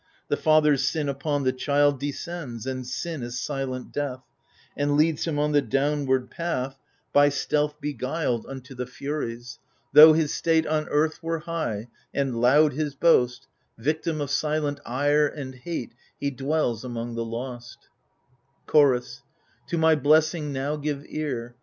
The father's sin upon the child Descends, and sin is silent death, And leads him on the downward path, N 178 THE FURIES By stealth beguiled, Unto the Furies : though his state On earth were high, and loud his boast, Victim of silent ire and hate He dwells among the Lost Chorus To my blessing now give ear.